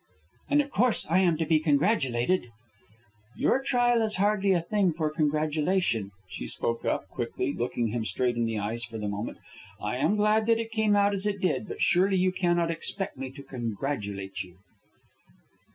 "And of course I am to be congratulated " "Your trial is hardly a thing for congratulation," she spoke up quickly, looking him straight in the eyes for the moment. "I am glad that it came out as it did, but surely you cannot expect me to congratulate you."